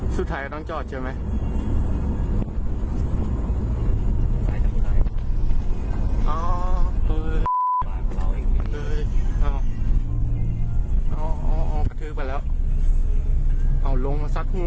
สุดท้ายต้องจอดใช่ไหม